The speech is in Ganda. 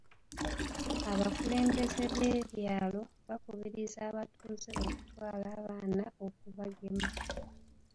Abakulembeze b'ebyalo bakubiriza abatuuze okutwala abaana okubagema.